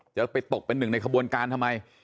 จะไปตกเป็นหนึ่งในขบวนการทำไม